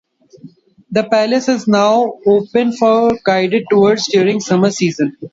The palace is now open for guided tours during the summer season.